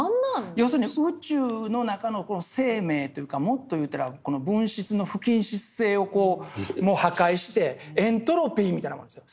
要するに宇宙の中の生命というかもっと言うたら物質の不均質性を破壊してエントロピーみたいなもんですよ。